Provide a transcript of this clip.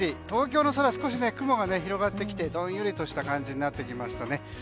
東京の空少し雲が広がってきてどんよりとした感じになってきました。